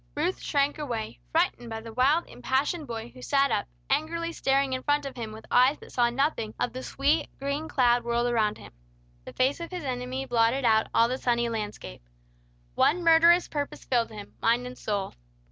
Ruth shrank away, frightened by the wild, impassioned boy who sat up, angrily staring in front of him with eyes that saw nothing of the sweet, green clad world around him. The face of his enemy blotted out all the sunny landscape. One murderous purpose filled him, mind and soul.